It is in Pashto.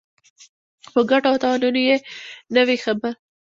په ګټو او تاوانونو یې نه وي خبر.